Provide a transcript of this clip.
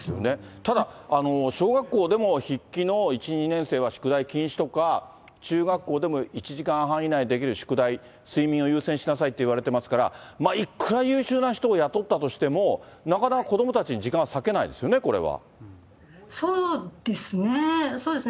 ただ、小学校でも筆記の１、２年生は宿題禁止とか、中学校でも１時間半以内にできる宿題、睡眠を優先しなさいと言われてますから、いくら優秀な人を雇ったとしても、なかなか子どもたちに時間は割けそうですね。